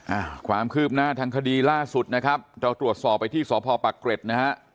อ่าความคืบหน้าทางคดีล่าสุดนะครับเราตรวจสอบไปที่สพปักเกร็ดนะฮะ